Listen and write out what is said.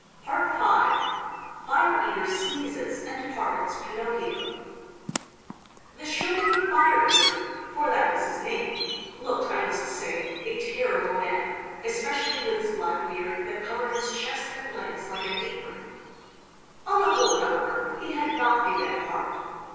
V. FIRE EATER SNEEZES AND PARDONS PINOCCHIO The showman Fire eater for that was his name looked, I must say, a terrible man, especially with his black beard that covered his chest and legs like an apron. On the whole, however, he had not a bad heart.